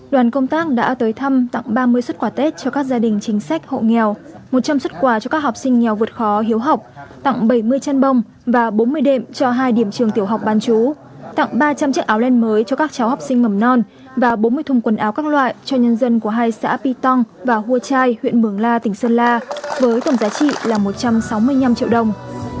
đoàn công tác đã tới thăm tặng ba mươi xuất quả tết cho các gia đình chính sách hậu nghèo một trăm linh xuất quả cho các học sinh nghèo vượt khó hiếu học tặng bảy mươi chân bông và bốn mươi đệm cho hai điểm trường tiểu học ban chú tặng ba trăm linh chiếc áo len mới cho các cháu học sinh mầm non và bốn mươi thùng quần áo các loại cho nhân dân của hai xã pi tong và hua chai huyện mường la tỉnh sơn la với tổng giá trị là một trăm sáu mươi năm triệu đồng